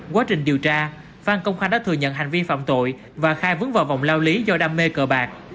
quá trình điều tra phan công khanh đã thừa nhận hành vi phạm tội và khai vướng vào vòng lao lý do đam mê cờ bạc